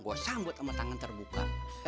gue sambut sama tangan terbuka